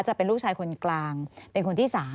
จะเป็นลูกชายคนกลางเป็นคนที่๓